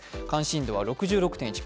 関心度は６６．１％。